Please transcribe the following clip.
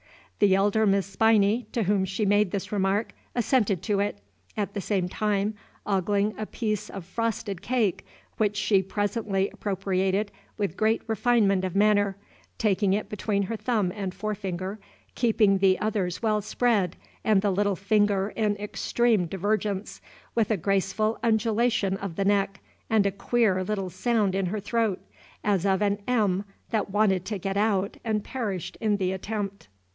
The elder Miss Spinney, to whom she made this remark, assented to it, at the same time ogling a piece of frosted cake, which she presently appropriated with great refinement of manner, taking it between her thumb and forefinger, keeping the others well spread and the little finger in extreme divergence, with a graceful undulation of the neck, and a queer little sound in her throat, as of an M that wanted to get out and perished in the attempt.